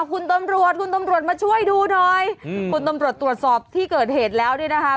คุณตำรวจคุณตำรวจมาช่วยดูหน่อยอืมคุณตำรวจตรวจสอบที่เกิดเหตุแล้วเนี่ยนะคะ